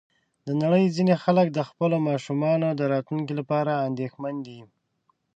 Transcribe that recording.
د نړۍ ځینې خلک د خپلو ماشومانو د راتلونکي لپاره اندېښمن دي.